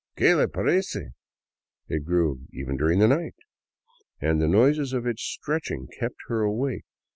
" Que le parece !'' It grew even during the night ! And the noises of its stretching kept her awake.